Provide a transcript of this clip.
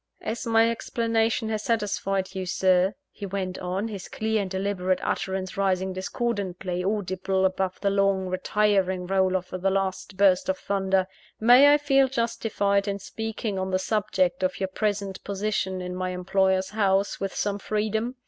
"As my explanation has satisfied you, Sir," he went on; his clear and deliberate utterance rising discordantly audible above the long, retiring roll of the last burst of thunder "may I feel justified in speaking on the subject of your present position in my employer's house, with some freedom?